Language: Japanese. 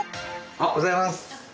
おはようございます。